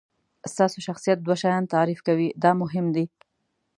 ستاسو شخصیت دوه شیان تعریف کوي دا مهم دي.